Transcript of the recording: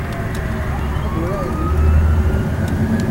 Ad uraren yid-i?